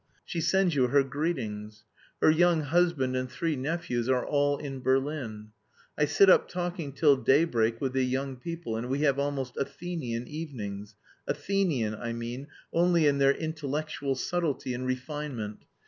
She sends you her greetings. Her young husband and three nephews are all in Berlin. I sit up talking till daybreak with the young people and we have almost Athenian evenings, Athenian, I mean, only in their intellectual subtlety and refinement.